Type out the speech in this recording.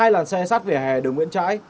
hai làn xe sát vỉa hè đường nguyễn trãi